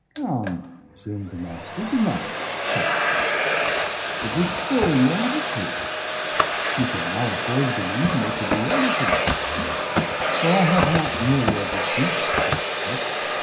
"Come," resumed the Master, "do not be sulky; it will spoil your attitude. You can now afford (believe me) to be a little gracious; for I have not merely a defeat to accept.